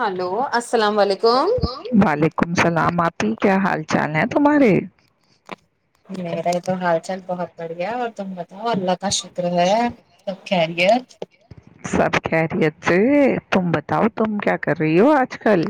hello السلام علیکم عیک وعلیکم السلامپ کیا حال چال ہے تمہارے ہ [unintelligible] تو حال چال بہت بڑھیا اور تم بتاؤ اللہ کا شکر ہے سب خری [unintelligible] سب خیریت اچھے تم بتاؤ تم کیا کر رہی ہو آج کل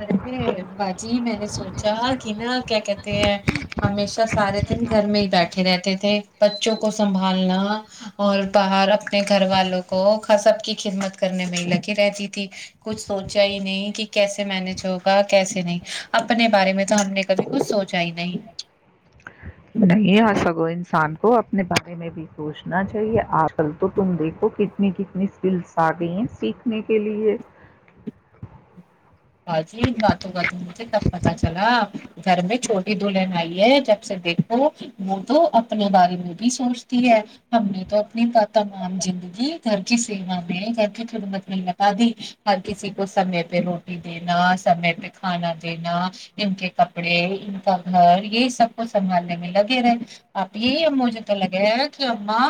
ارے باجی میں نے سوچا کہ نا کیا کہتے ہیں ہمیشہ سارے دن گھر میں ہی بیٹھے رہتے تھے بچوں کو سنبھالنا اور باہر اپنے گھر والوں کو کسب کی خدمت کرنے میں ہی لگی رہتی تھی کچھ سوچا ہی نہیں کہ کیسے م نے چ ہوگا کیسے نہیں اپنے بارے میں تو ہم نے کبھی کچھ سوچا ہی نہیں نہیں آ سکتا وہ انسان کو اپنے بارے میں بھی سوچنا چاہیے آج کل تو تم دیکھو کتنی کتنی اسکلس آ گئی ہیں سیکھنے کے لیے ہا جی باتوں کااتوں مجھے تب پتا چلا گھر میں چھوٹی دلہن آئی ہے جب سے دیکھو وہ تو اپنے بارے میں بھی سوچتی ہے ہم نے تو اپنی تمام زندگی گھر کی سیوا میں گھر کی خدمت میں لگا دی ہر کسی کو سمے پہ رو دینا سمے پہ کھانا دینا ان کے کپڑے ان کا گھر یہ سب کو سنبھالنے میں لگے رہے آپ یہ مجھے تو لگے ہے کہ ااں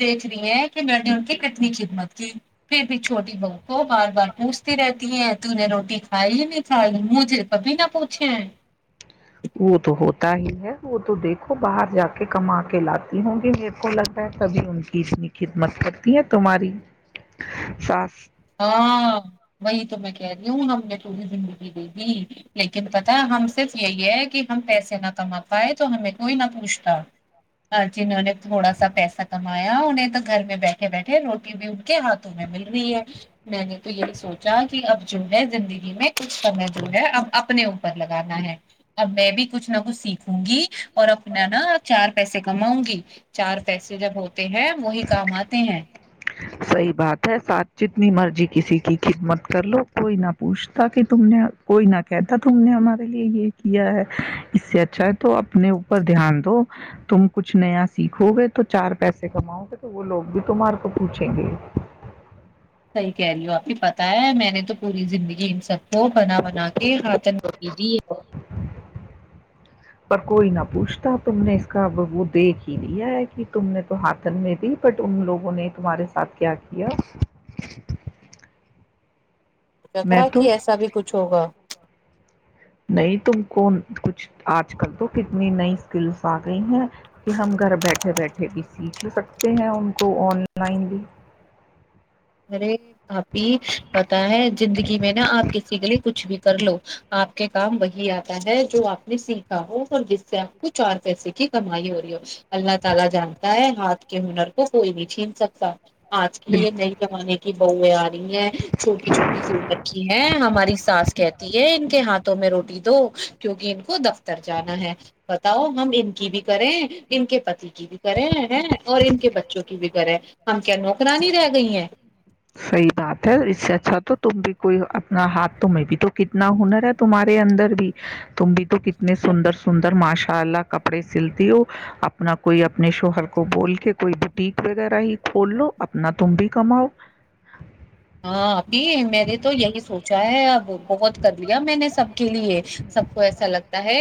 دیکھ رہی ہیں کہ میں نے ان کی کتنی خدمت کی پھر بھی چھوٹی بہو کو بار بار پوچھتی رہتی ہیں ت نے روٹی کھائی ہی نہیں کھائی مجھے کبھی نہ پوچھے ہیں وہ تو ہوتا ہی ہے وہ تو دیکھو باہر جا کے کما کے لاتی ہوں گی میرے کو لگتا ہے تبھی ان کی اتنی خدمت کرتی ہے تمہاری سس ہاں وہی تو میں کہہ رہی ہوں ہم نے تھوڑی زندگی دے دی لیکن پتا ہم صرف یہی ہے کہ ہم پیسے نہ کما پائے تو ہمیں کوئی نہ پوچھتا جنہوں نے تھوڑا سا پیسا کما انہیں تو گھر میں بیٹھے بیٹھے روٹی بھی ان کے ہاتھوں میں مل رہی ہے میں نے تو یہی سوچا کہ اب جو ہے زندگی میں کچھ کمیں دور ہے اب اپنے اوپر لگانا ہے اب میں بھی کچھ نہ کچھ سیکھوں گی اور اپنا نہا چار پیسے کماؤں گی چار پیسے جب ہوتے ہیں وہی کام آتے ہیں سحیح بات ہے سات جتنی مرضی کسی کی خدمت کر لو کوئی نہ پوچھتا کہ تم نے کوئی نہ کہتا تم نے ہمارے لیے یہ کیا ہے اس سے اچھا ہے تو اپنے اوپر دھیان دو تم کچھ نیا سیکھو گے تو چار پیسے کماؤ گے تو وہ لوگ بھی تمار تو پوچھیں گے صحیح کہہ رہی ہ ہو آپ ہی پتہ ہے میں نے تو پوری زندگی ان سب وہ بنا بنا کے خاتن کیجی پر کوئی نہ پوچھتا تم نے اس کا وہ دیکھ ہی لیا ہے کہ تم نے تو ہاتھن میں دی بٹ ان لوگوں نے تمہارے ساتھ کیا کیا سوچا تھا میں کہ تو ایسا بھی کچھ ہوگا نہیں تم کو کچھ آج کل تو کتنی نئی اسکلس آ گئی ہیں کہ ہم گھر بیٹھے بیٹھے بھی سیکھ سکتے ہیں ان کو آن لائن بھی ارے بھابھی پتا ہے زندگی میں نا آپ کسی کے لیے کچھ اتا نہیں ہے سر لو اپ کے کام وہی اتا ہے جو اپ نے سیکھاؤں پر جس سے اپ کو چار پیسے کی کمائی ہو رہی ہو اللہ تعالی جانتا ہے ہاتھ کے ہنر کو کوئی بھی چھین سکتا آج کی بالکل یہ نہیں زمانے کی بیں آ رہی ہیں چھوٹی چھوٹی سیمکھی ہیں ہماری ساس کہتی ہے ان کے ہاتھوں میں روٹی دو کیوںکہ ان کو د اتر جانا ہے بتاؤ ہم ان کی بھی کریں ان کے پتی کی بھی کریں ہیں اور ان کے بچوں کی بھی کریں ہم کیا نوکرانی رہ گئی ہیں صحیح بات ہے اس سے اچھا تو تم بھی کوئی اپنا ہاتھ تہیں بھی تو کتنا ہنر ہے تمہارے اندر بھی تم بھی تو کتنے سندر سندر ماشاء اللہ کپڑے سلتی ہو اپنا کوئی اپنے شوہر کو بول کے کوئی بوٹیک وغیرہ ہی کھول لو اپنا تم بھی کماؤ ہاں ابھی میں نے تو یہی سوچا ہے اب بہت کر لیا میں نے سب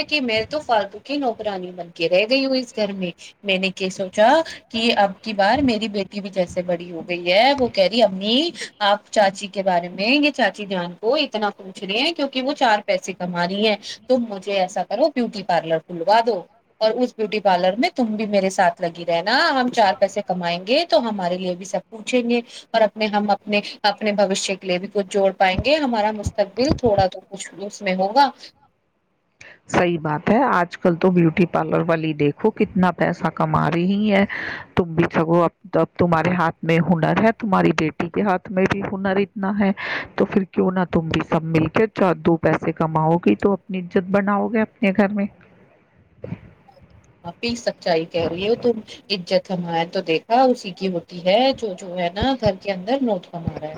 کی مل تو فالتوک ہی ن ہوگ پرانی من کے رہ گئی ہو اس گھر میں میں نے کیا سوچا کہ اب کی بار میری بیٹی بھی جیسے بڑی ہو گئی ہے وہ کہہ رہی انی آپ چاچی کے بارے میں چاچی جان کو اتنا پوچھ رہے ہیں کیوںکہ وہ چار پیسے کما رہی ہیں تم مجھے ایسا کرو بیوٹی پارلر کھلوا دو اور اس بیوٹی پارلر میں تم بھی میرے ساتھ لگی رہناا ہم چار پیسے کمائیں گے تو ہمارے لیے بھی سب پوچھیں گے اور اپنے ہم اپ اپنے بوشیہ کے لیے بھی کچھ جوڑ پائیں گے ہمارا مستقبل تھوڑا تو کچھ بھی اس میں ہوگا سحیح بات ہے آج کل تو بیوٹی پارلر والی دیکھو کتنا پیسہ کما رہی ہے تم بھی سگو اب اب تمہارے ہاتھ میں ہنر ہے تمہاری بیٹی کے ہاتھ میں بھی ہنر اتنا ہے تو پھر کیوں نہا تم بھی سب مل کے چ دو پیسے کماؤ گی تو اپنیت بناؤ گے اپنے گھر میں آپی سچائی کہہ رہی ہو تم عزت سمائے تو دیکھا اسی کی ہے جو جو ہے نا گھر کے اندر نوٹ کما رہا ہے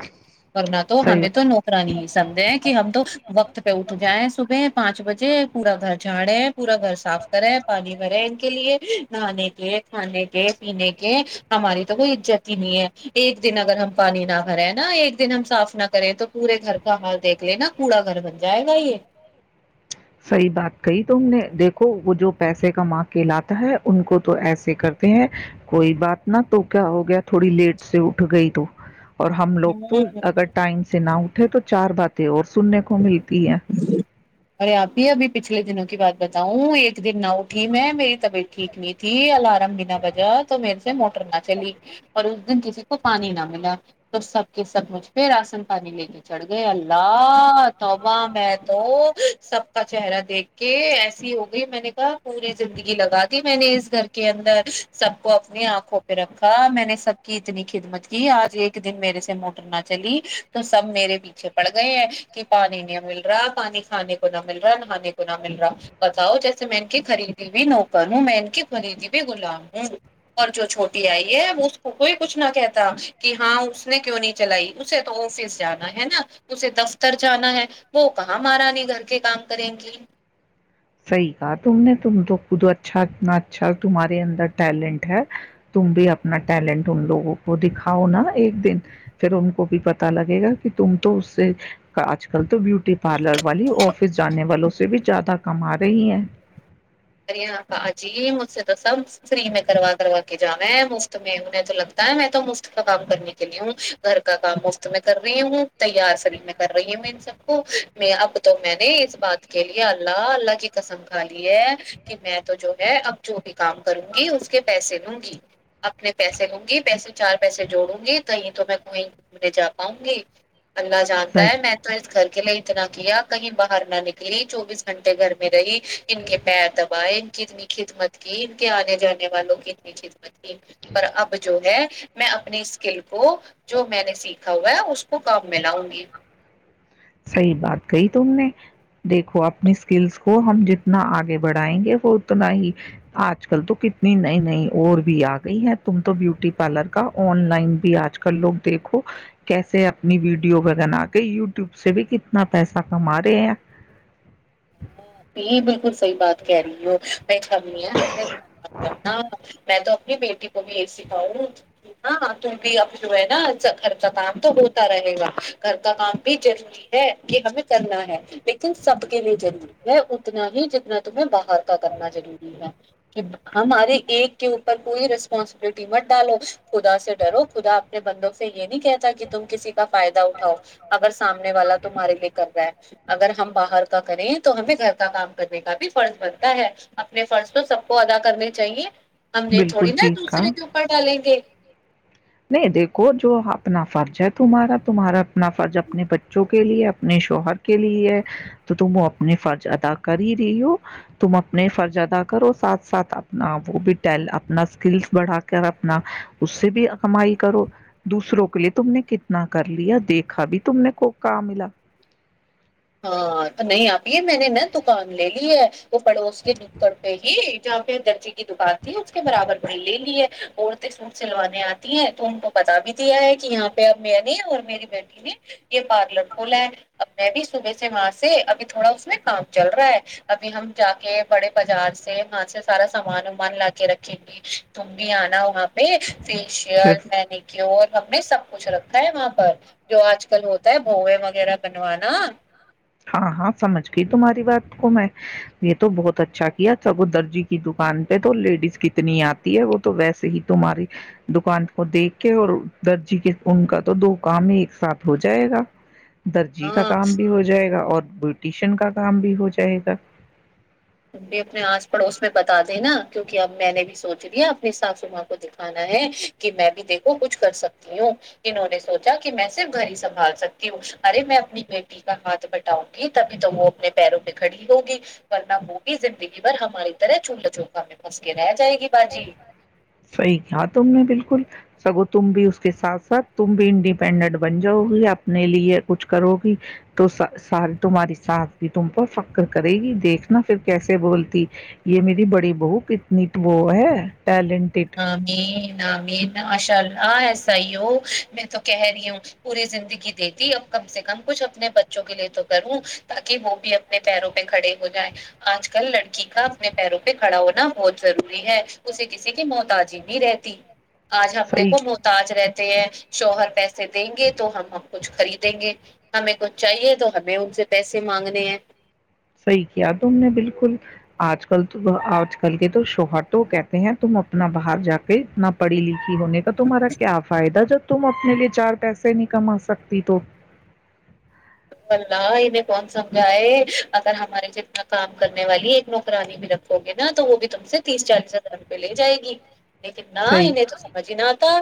ورنہ تو ہمیں صحیح تو نوکرا نہیں سمجھے ہیں کہ ہم تو وقت پہ اٹھ جائیں صبح پانچ بجے پورا گھر جھاڑے پورا گھر صاف کرے پانی بھرے ان کے لیے نہانے کے کھانے کے پینے کے ہماری تو کوئی عزت ہی نہیں ہے ایک دن اگر ہم پانی نہ بھرے نا ایک دن ہم صاف نہ کریں تو پورے گھر کا حال دیکھ لے نا کوڑا گھر بن جائے گا یہ صحیح بات کہی ت ہم نے دیکھو وہ جو پیسے کما کے لاتا ہے ان کو تو ایسے کرتے ہیں کوئی بات ن تو کیا ہو گیا تھوڑی لیٹ سے اٹھ گئی تو اور ہم لوگ تو ہوں اگر ٹائم سے نہ اٹھے تو چار باتیں اور سننے کو ملتی ہے ارے آپ ہی ابھی پچھلے دنوں کی بات بتاؤں ایک د نا اٹھی م ہے مری تو بیٹی ٹھیک نہیں تھی اللہ مگنا وجہ تو میرے سے موٹر نہ چلی اور اس دن کسی کو پانی نہ ملا تو سب کے سب مجھ پہ راشن پانی لے کے چڑھ گئے اللہ اہ میں تو سب کا چہرہ دیکھ کے ایسی ہو گئی میں نے کہا پوری زندگی لگا دی میں نے اس گھر کے اندر سب کو اپنی آنکھوں پہ رکھا میں نے سب کی اتنی خدمت کی آج ایک دن میرے سے موٹر نہ چلی تو سب میرے پیچھے پڑ گئے ہیں کہ پانی نہیں مل رہا پانی کھانے کو نہ مل رہا نہانے کو نہ مل رہا بتاؤ جیسے میں ان کی خریدی بھی نوکر ہوں میں ان کی خریدی بھی غلام ہوں اور جو چھوٹی آئی ہے اس کو کوئی کچھ نہ کہتا کہ ہاں اس نے کیوں نہیں چلائی اسے تو آفس جانا ہے نا اسے دف اتر جانا ہے وہ کہاں مہارانی گھر کے کام کریں گی صحیح کہا تم نے تم تو خود اچھا انا اچھا تمہارے اندر ٹیلنٹ ہے تم بھی اپنا ٹیلنٹ ان لوگوں کو دکھاؤ نا ایک دن پھر ان کو بھی پتا لگے گا کہ تم تو اس سے آج کل [unintelligible] بیوٹی پارلر والی آفس جانے والوں سے بھی زیادہ آ رہے ہی ہیں [unintelligible] ار ہاں پ جی مجھ سے تو سب فری میں کروا کروا کے جانا ہے مفت میں انہیں تو لگتا ہے میں تو مفت کا کام کرنے کے لیے ہوں گھر کا کام مفت میں کر رہی ہوں تیار فری میں کر رہی ہوں میں ان سب کو میں اب تو میں نے اس بات کے لیے اللہ اللہ کی قسم کھا لی ہے کہ میں تو جو ہے اب جو بھی کام کروں گی اس کے پیسے لوں گی اپنے پیسے لوں گی پیسے چار پیسے جوڑوں گی کہیں تو میں وہیں گھومنے جا پاؤں گی اللہ جانتا ہے صحیح میں تو اس گھر کے لیے اتنا کیا کہیں باہر نہ نکلی چوبیس گھنٹے گھر میں رہی ان کے پیر ان کی اتنی خدمت کی ان کے آنے جانے والوں کی اتنی خدمت پر اب جو ہے [unintelligible] میں اپنی اسکل کو جو میں نے سیکھا ہوا ہے اس کو کام میں لاؤں گی صحی بات کہی تم نے دیکھو اپنی اسکلس کو ہم جتنا آگے بڑھائیں گے وہ اتنا ہی آج کل تو کتنی نئی نئی اور بھی آ گئی ہے تم تو بیوٹی پارلر کا آن لائن بھی آج کل لوگ دیکھو کیسے اپنی ویڈیو بگنا کے یوب [unintelligible] وب سے بھی کتنا پیسہ کما رہے ہیں [unintelligible] پ ب [unintelligible] خ صحی بات کہہ رہی ہو [unintelligible] ک نہیں ہے ہم نے د میں تو [unintelligible] بیٹی کو بھی یہ سکھاؤں کہ ہاں تم بھی اب جو ہے نا گھر کا کام تو ہوتا رہے گا گھر کا کام بھی ضروری ہے کہ ہمیں کرنا ہے لیکن سب کے لیے ضروری اتنا ہی جتنا تمہیں باہر کا کرنا ضروری ہے کہ ہمارے ایک کے اوپر کوئی رسپانسبلٹی مت ڈالو [unintelligible] خدا سے ڈرو خدا اپنے بندوں سے یہ نہیں کہتا کہ تم کسی کا فائدہ اٹھاؤ اگر سامنے والا تمہارے لیے کر رہا ہے اگر ہم باہر کا کریں تو ہمیں گھر کا کام کرنے کا بھی فرض بنتا ہے اپنے فرض تو سب کو ادا کرنے چاہیے ہم یہ بالکل تھوڑی نا ٹھیک ہے دوسرے کے اوپر ڈالیں گے نہیں دیکھو جو اپنا فرض ہے تمہارا تمہارا اپنا فرض اپنے بچوں کے لیے اپنے شوہر کے لیے ہے تو تم وہ اپنے فرض ادا کر ہی رہی ہو تم اپنے فرض ادا کرو ساتھ ساتھ اپنا وہ بھی اپنا اسکلس بڑھا کر اپنا اس سے بھی [unintelligible] کمائی کرو دوسروں کے لیے تم نے کتنا کر لیا دیکھا بھی تم نے کو کہ ملا ہاں نہیں آپ یہ میں نے نا دکان لے لی ہے وہ پڑوس کے نکڑ پہ ہی جہاں پہ درجی کی دکان تھی اس کے برابر بھ لے لی ہے عورتیں سوٹ سلوانے آتی ہیں تو ان کو پتا بھی دیا ہے کہ یہاں پہ اب میں نے اور میری بیٹی نے یہ پارلر کھولا ہے اب میں بھی صبح سے وہاں سے ابھی تھوڑا اس میں کام چل رہا ہے ابھی ہم جا کے بڑے بازار سے وہاں سے سارا سامان وامان لا کے رکھیں گی تم بھی آنا وہاںہ میں فیشیل جب مینیکیور ہم نے سب کچھ رکھا ہے وہاں پر جو آج کل ہوتا ہے بھووے وغیرہ بنوانا ہاں ہاں سمج گ تمہاری بات کو میں یہ تو بہت اچھا کیا سگوں درجی کی دکان پہ تو لیڈیز کتنی آتی ہے وہ تو ویسے ہی تمہاری دکان کو دیکھ کے اور درجی کے ان کا تو دو کام ایک ساتھ ہو جائے گا [unintelligible] درجیح کا ہاں کام بھی ہو جائے اور بوٹیشن کا کام بھی ہو جائے گا بھی اپنے آس پڑوس میں بتا دینا کیوںکہ اب میں نے بھی سوچ لیا اپنی ساسماں کو دکھانا ہے کہ میں بھی دیکھو کچھ کر سکتی ہوں انہوں نے سوچا کہ میں صرف گھر ہی سنبھال سکتی ہوں ارے میں اپنی بیٹی کا ہاتھ بٹاؤں گی تبھی تو وہ اپنے پیروں پہ کھڑی ہوگی ورنہ [unintelligible] زندگی بھر ہماری طرح چولہ چھوکھا میں پھنس کے رہ جائے گی باجی صحیح کیا تم نے بالکل سگو تم بھی اس کے ساتھ ساتھ تم بھی انڈیپینڈنٹ بن جاؤ گی اپنے لیے کچھ کرو گی تو ساری تمہاری ساتھ بھی تم پر فخر کرے گی دیکھنا پھر کیسے بولتی یہ میری بڑی بہوک اتنی وہ [unintelligible] وہ [unintelligible] ہاں مین مین اشاء ہ سی ہو میں تو کہہ رہی ہوں پوری زندگی دیتی اب کم سے کم کچھ اپنے بچوں کے لیے تو کروں تاکہ وہ بھی اپنے پیروں پہ کھڑے ہو جائے آج کل لڑکی کا اپنے پیروں پہ کھڑا ہونا بہت ضروری ہے اس کسی کی موحتاجی نہیں رہتی آج ہم دیکھو صحیح محتاج رہتا ہیں شوہر پیسے سے دیں گے تو ہم کچھ خریدیں گے ہمیں کوچ چاہیے تو ہمیں ان سے پیسے مانگنے ہیں صحیح کیا تم نے بالکل آج کل تو آج کل کے تو شوہر تو کہتے ہیں تم اپنا باہر جا کےتنا پڑھی لھی ہونے کا تمہارا کیا فائدہ جب تم اپنے لیے چار پیسے نہیں کما سکتی تو اللہ انہیں کون سمجھائے اگر ہمارے سے اتنا کام کرنے والی ایک نوکرانی بھی رکھو گے نا تو وہ بھی تم سے تیس چالیس ہزار روپے لے جائے گی لیکن نہ صحیح انہیں تو سمجھ ہی نہ آتا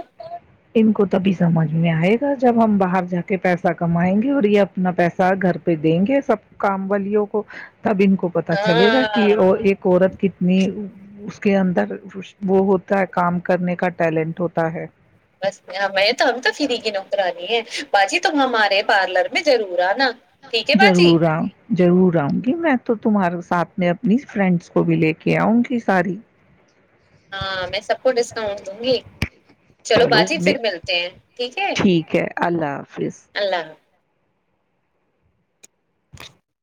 ان کو تبھی سمجھ میں آئے گا جب ہم باہر جا کے پیسہ کمائیں گے اور یہ اپنا پیسہ گھر پہ دیں گے سب کام والیوں کو تب ان کو پتا چلے گا کہ ہاں ایک عورت کتنی کے اندر وہ ہوتا ہے کام کرنے کا ٹیلنٹ ہوتا ہے بس میں تو ہم تو فری کی نوکرانی ہے باجی تو ہمار میں پارلر میں جرور آنا، ٹھیک ہے باجی ضرور آؤں ضرور آؤں گی میں تو تمہارے ساتھ میں اپنی فرینڈس کو بھی لے کے آؤں گی ساری ہاں میں سب کو ڈسکاؤنٹ دوں گی چلو باجی پھر ملتے ہیں ٹھیک ہے ٹھیک ہے اللہ حافظ اللہ حافظ [inaudible]